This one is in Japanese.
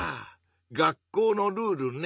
学校のルールね。